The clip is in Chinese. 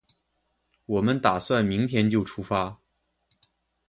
我们打算明天就出发